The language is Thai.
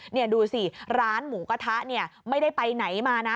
นี่ดูสิร้านหมูกระทะเนี่ยไม่ได้ไปไหนมานะ